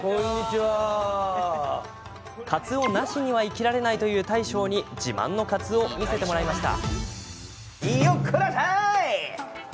かつおなしには生きられない大将に、自慢のかつお見せてもらいました。